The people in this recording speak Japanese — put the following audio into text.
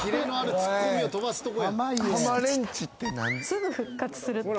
すぐ復活するって。